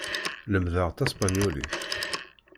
Lemmdeɣ taspanyulit.